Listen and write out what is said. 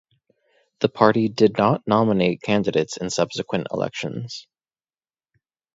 The party did not nominate candidates in subsequent elections.